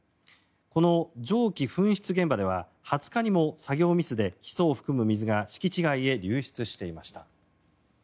この蒸気噴出現場では２０日にも作業ミスでヒ素を含む水が敷地外へ流出していました。